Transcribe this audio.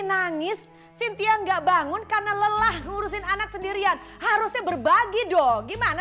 nangis sintia enggak bangun karena lelah ngurusin anak sendirian harusnya berbagi dong gimana